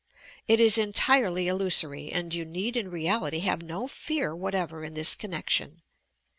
It is entirely illusory, and you need in reality have no fear whatever in this connection.